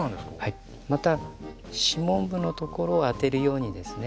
また指紋部のところを当てるようにですね